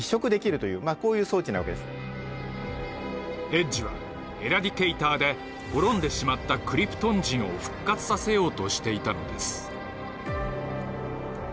エッジはエラディケイターで滅んでしまったクリプトン人を復活させようとしていたのです。